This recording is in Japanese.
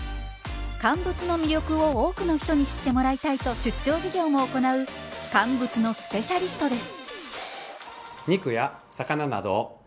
乾物の魅力を多くの人に知ってもらいたいと出張授業も行う乾物のスペシャリストです。